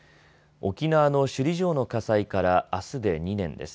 沖縄の首里城の火災からあすで２年です。